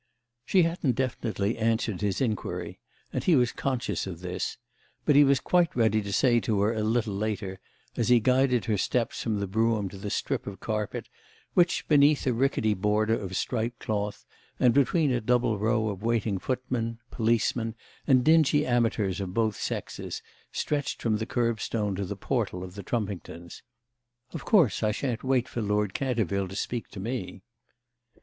She hadn't definitely answered his inquiry, and he was conscious of this; but he was quite ready to say to her a little later, as he guided her steps from the brougham to the strip of carpet which, beneath a rickety border of striped cloth and between a double row of waiting footmen, policemen and dingy amateurs of both sexes, stretched from the curbstone to the portal of the Trumpingtons: "Of course I shan't wait for Lord Canterville to speak to me."